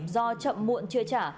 do chậm muộn chưa trả